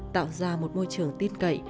tạo ra một môi trường tin cậy